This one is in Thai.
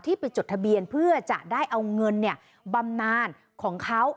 ไปจดทะเบียนเพื่อจะได้เอาเงินบำนานของเขา